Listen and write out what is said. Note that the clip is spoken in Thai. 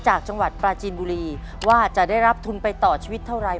จังหวัดปราจีนบุรีว่าจะได้รับทุนไปต่อชีวิตเท่าไร